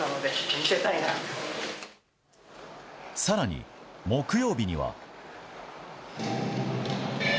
更に、木曜日には。